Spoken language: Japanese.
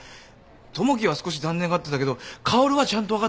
友樹は少し残念がってたけど薫はちゃんと分かってくれました。